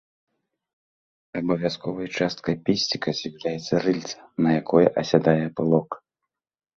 Абавязковай часткай песціка з'яўляецца рыльца, на якое асядае пылок.